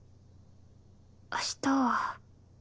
明日は。